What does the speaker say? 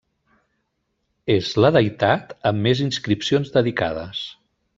És la deïtat amb més inscripcions dedicades.